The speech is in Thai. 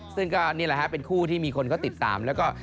ซึ่งก็นี่แหละฮะเป็นคู่ที่มีคนเขาติดตามแล้วก็